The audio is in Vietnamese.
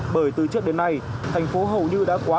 bởi từ trước đến nay thành phố hầu như đã quá